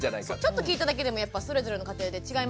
ちょっと聞いただけでもやっぱそれぞれの家庭で違いますね。